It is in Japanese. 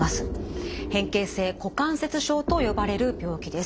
変形性股関節症と呼ばれる病気です。